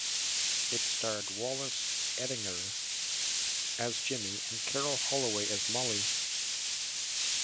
It starred Wallace Eddinger as Jimmy and Carol Holloway as Molly.